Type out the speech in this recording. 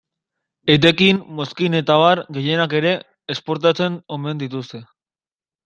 Etekin, mozkin eta abar gehienak ere, esportatzen omen dituzte.